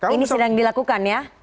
ini sedang dilakukan ya